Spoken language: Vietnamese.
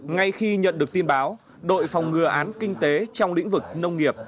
ngay khi nhận được tin báo đội phòng ngừa án kinh tế trong lĩnh vực nông nghiệp